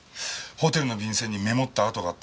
ホテルの便箋にメモった跡があった。